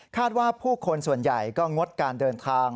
ว่าผู้คนส่วนใหญ่ก็งดการเดินทาง